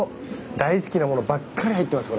大好きなものばっかり入ってます